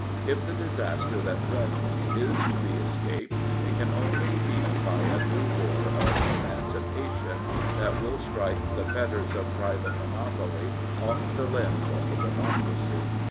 If the disaster that threatens is to be escaped, it can only be by a new war of emancipa tion that will strike the fetters of private monopoly off the limbs of the democracy.